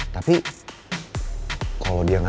tadi itu ada orang